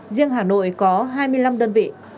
riêng hà nội có hai mươi năm đơn vị